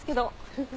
フフ。